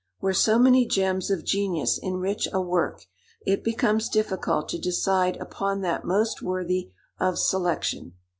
Where so many gems of genius enrich a work, it becomes difficult to decide upon that most worthy of selection.